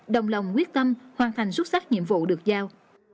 đồng lòng quyết tâm hoàn thành xuất sắc nhiệm vụ được giao